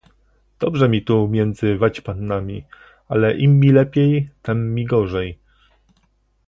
"Dobrze mi tu między waćpannami, ale im mi lepiej, tem mi gorzej."